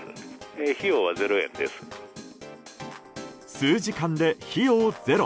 数時間で費用ゼロ。